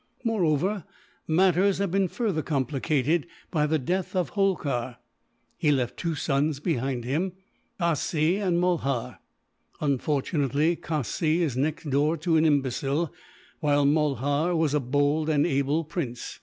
"Moreover, matters have been further complicated by the death of Holkar. He left two sons behind him, Khassee and Mulhar. Unfortunately, Khassee is next door to an imbecile; while Mulhar was a bold and able prince.